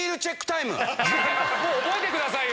もう覚えてくださいよ。